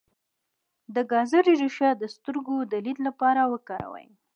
د ګازرې ریښه د سترګو د لید لپاره وکاروئ